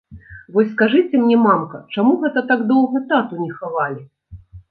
Вось скажыце мне, мамка, чаму гэта так доўга тату не хавалі?